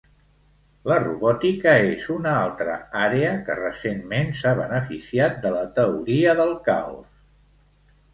La robòtica és una altra àrea que recentment s'ha beneficiat de la teoria del caos.